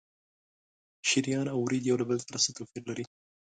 شریان او ورید یو له بل سره څه توپیر لري؟